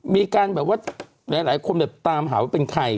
มีแบบกว่าแหล่าคนตามหาว่าเป็นใคร